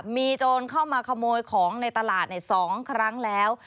มีโจรเข้ามาขโมยของในตลาด๒ครั้งแล้ว